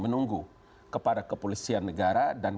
menunggu kepada kepolisian negara dan